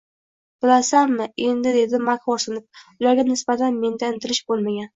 Bilasanmi, Endi, dedi Mak xo`rsinib, ularga nisbatan menda intilish bo`lmagan